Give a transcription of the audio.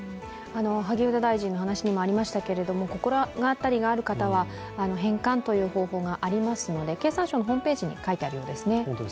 萩生田大臣の話にもありましたけれども心当たりがある方は、返還という方法がありますので経産省のホームページに書いてあるようですね。